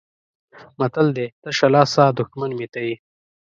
متل دی: تشه لاسه دښمن مې ته یې.